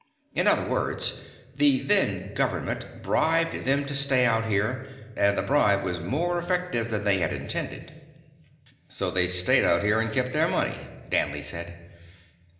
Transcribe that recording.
"In other words, the then government bribed them to stay out here, and the bribe was more effective than they had intended." "So they stayed out here and kept their money," Danley said.